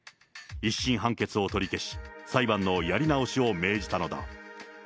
１審判決を取り消し、裁判のやり直しを命じたのだ。